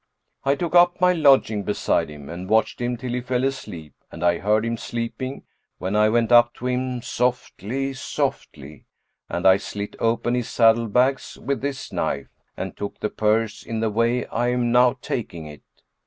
I took up my lodging beside him and watched him till he fell asleep and I heard him sleeping; when I went up to him softly, softly; and I slit open his saddle bags with this knife, and took the purse in the way I am now taking it."